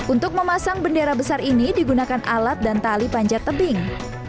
untuk memasang bendera besar ini digunakan alat dan tali panjat tebing